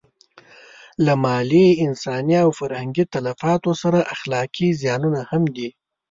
له مالي، انساني او فرهنګي تلفاتو سره اخلاقي زیانونه هم دي.